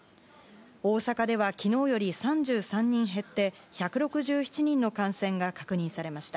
大阪では昨日より３３人減って１６７人の感染が確認されました。